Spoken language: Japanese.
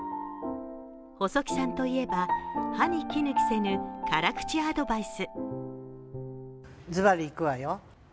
細木さんといえば歯に衣着せぬ辛口アドバイス。